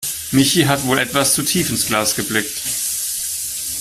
Michi hat wohl etwas zu tief ins Glas geblickt.